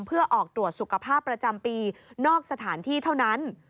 เพื่อออกตรวจสุขภาพประจำปีนอกสถานที่เท่านั้น